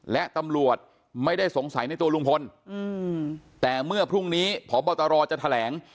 และตำรวจไม่ได้สงสัยในตัวลุงพลแต่เมื่อพรุ่งนี้พบตรจะแถลง